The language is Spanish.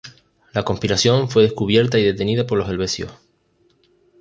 La conspiración fue descubierta y detenida por los helvecios.